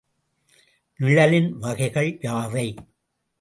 நிழலின் வகைகள் யாவை?